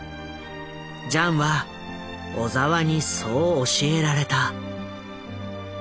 ジャンは小澤にそう教えられた。